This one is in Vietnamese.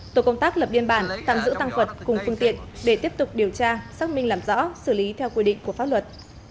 tổ công tác lập biên bản tạm giữ tăng vật cùng phương tiện để tiếp tục điều tra xác minh làm rõ xử lý theo quy định của pháp luật